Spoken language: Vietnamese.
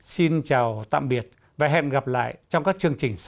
xin chào tạm biệt và hẹn gặp lại trong các chương trình sau